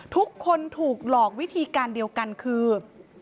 ทุกคนถูกหลอกวิธีการเดียวกันคือ